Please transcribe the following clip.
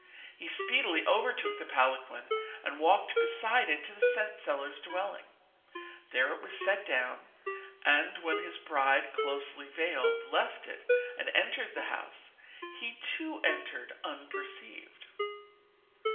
He speedily overtook the palanquin and walked beside it to the scent seller's dwelling. There it was set down, and, when his bride, closely veiled, left it and entered the house, he, too, entered unperceived.